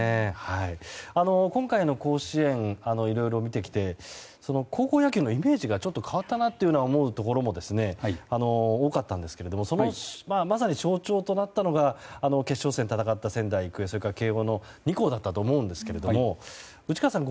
今回の甲子園いろいろ見てきて高校野球のイメージがちょっと変わったなと思うところも多かったんですけどもまさに象徴となったのが決勝戦を戦った仙台育英それから慶応の２校だったと思うんですが内川さん